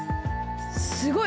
すごい！